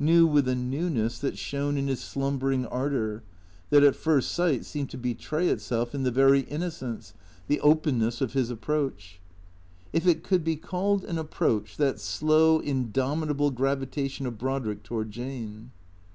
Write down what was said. ISTew with a newness that shone in his slumbering ardour ; that at first sight seemed to betray itself in the very innocence, the openness of his approach. If it could be called an approach, that slow, indomitable gravitation of Brodrick toward Jane.